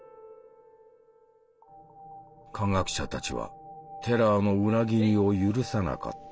科学者たちはテラーの裏切りを許さなかった。